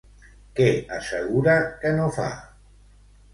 Què assegura que no fa?